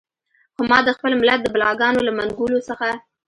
خو ما د خپل ملت د بلاګانو له منګولو څخه.